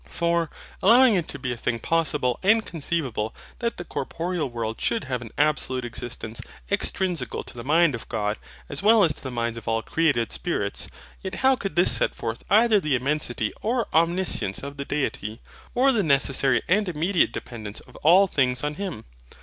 For, allowing it to be a thing possible and conceivable that the corporeal world should have an absolute existence extrinsical to the mind of God, as well as to the minds of all created spirits; yet how could this set forth either the immensity or omniscience of the Deity, or the necessary and immediate dependence of all things on Him?